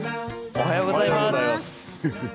おはようございます。